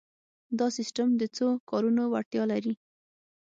دا سیسټم د څو کارونو وړتیا لري.